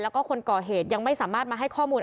แล้วก็คนก่อเหตุยังไม่สามารถมาให้ข้อมูล